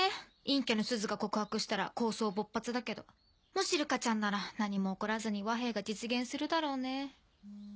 陰キャのすずが告白したら抗争勃発だけどもしルカちゃんなら何も起こらずに和平が実現するだろうね。